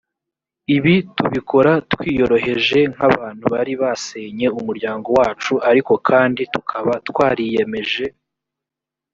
ibi tubikora twiyoroheje nk abantu bari basenye umuryango wacu ariko kandi tukaba twariyemeje